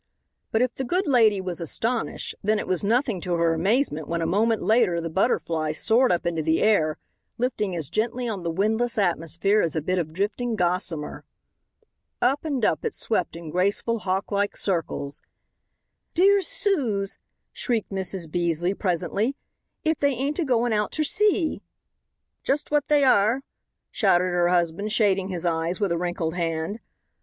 But if the good lady was astonished, then it was nothing to her amazement when a moment later the Butterfly soared up into the air, lifting as gently on the windless atmosphere as a bit of drifting gossamer. Up and up it swept in graceful hawk like circles. "Dear Suz!" shrieked Mrs. Beasley presently, "if they ain't agoin' out ter sea!" "Just what they air," shouted her husband, shading his eyes with a wrinkled hand.